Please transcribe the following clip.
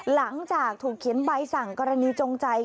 หลังจากถูกเขียนใบสั่งกรณีจงใจ